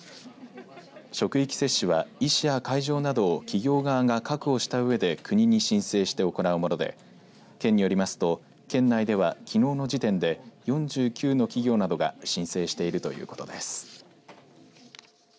職域接種は医師や会場などを企業側が確保したうえで国に申請して行うもので県によりますと県内では、きのうの時点で４９の企業などが申請しているということです。